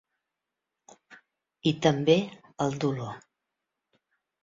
I també el dolor.